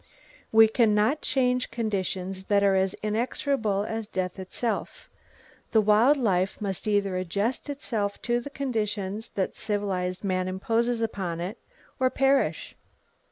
We cannot change conditions that are as inexorable as death itself. The wild life must either adjust itself to the conditions that civilized man imposes upon it, or perish.